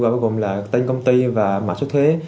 gọi gồm là tên công ty và mạng số thuế